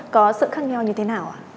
có sự khác nhau như thế nào